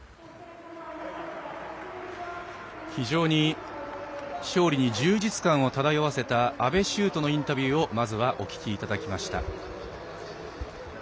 非常に勝利に充実感を漂わせた安部柊斗のインタビューをまずはお聞きいただきました。